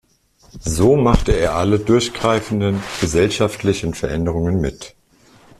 So machte er alle durchgreifenden „gesellschaftlichen Veränderungen“ mit.